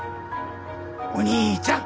お兄ちゃん！